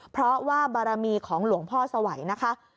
เพราะว่าบารมีของหลวงพ่อสวัยนะคะ